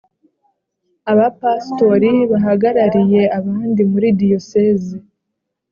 abapastori bahagarariye abandi muri diyoseze